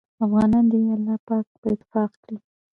افغانان دې الله پاک په اتفاق کړي